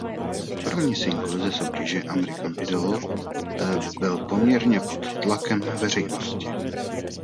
První singl ze soutěže American Idol byl poměrně pod tlakem veřejnosti.